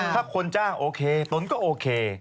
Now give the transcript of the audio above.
ถ้าคนจ้างโอเคตนก็โอเค